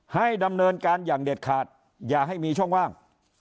ให้ดำเนินการอย่างเด็ดขาดอย่าให้มีช่องว่าง